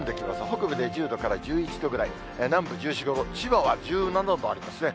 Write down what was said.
北部で１０度から１１度ぐらい、南部１４、５度、千葉は１７度ありますね。